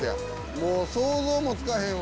もう想像もつかへんわ。